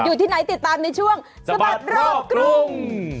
อยู่ที่ไหนติดตามในช่วงสะบัดรอบกรุง